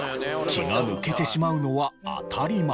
気が抜けてしまうのは当たり前。